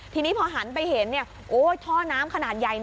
ทีนี้พอหันไปเห็นท่อน้ำขนาดใหญ่